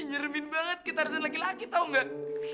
eh nyeremin banget kita harusnya laki laki tau gak